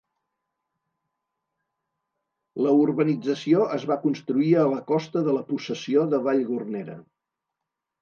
La urbanització es va construir a la costa de la possessió de Vallgornera.